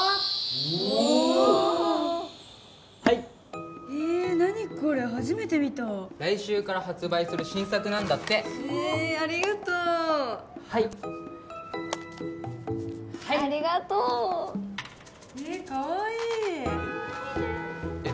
おおはいえ何これ初めて見た来週から発売する新作なんだってへえありがとうはいはいありがとうえかわいいえっ？